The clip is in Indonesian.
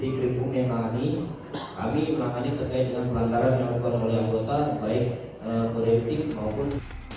jadi bribda fn yang tangani kami melakukannya terkait dengan perangkaran yang dilakukan oleh anggota baik kode etik maupun